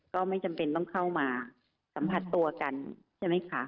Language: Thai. ก็ไม่จำเป็นต้องเข้ามาสัมผัสตัวกันใช่ไหมคะ